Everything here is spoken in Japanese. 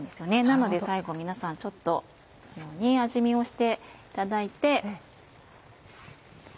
なので最後皆さんちょっとこのように味見をしていただいて。